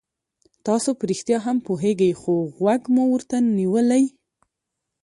تاسو په رښتیا هم پوهېږئ خو غوږ مو ورته نیولی.